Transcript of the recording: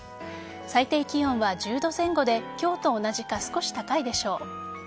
最低気温は１０度前後で今日と同じか少し高いでしょう。